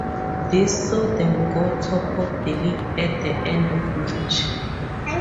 This saw them go top of the league at the end of March.